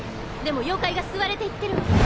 でも妖怪が吸われていってるわ。